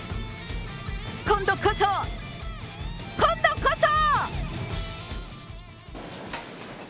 今度こそ、今度こそ。